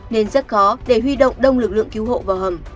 nên rất khó để huy động đông lực lượng cứu hộ vào hầm